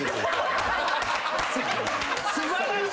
素晴らしい！